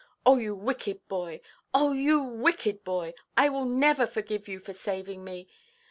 Oh, you wicked boy; oh, you wicked boy! I will never forgive you for saving me.